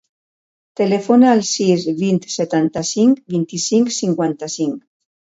Telefona al sis, vint, setanta-cinc, vint-i-cinc, cinquanta-cinc.